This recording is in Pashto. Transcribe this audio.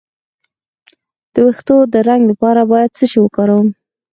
د ویښتو د رنګ لپاره باید څه شی وکاروم؟